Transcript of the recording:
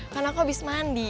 kan aku habis mandi